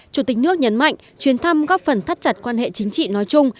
chủ tịch nước nhấn mạnh chuyến thăm góp phần thắt chặt quan hệ chính trị nói chung